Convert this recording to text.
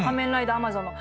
「ア・マ・ゾーン」の？